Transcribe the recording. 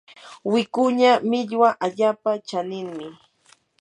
wikuña millwa allaapa chaninmi.